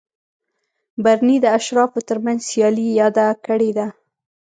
برني د اشرافو ترمنځ سیالي یاده کړې ده.